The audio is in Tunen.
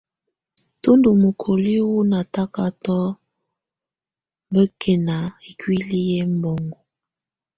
Tú ndù mukoliǝ wù natakatɔ̀ bɛkɛna ikuili yɛ ɛmbɔŋɔ.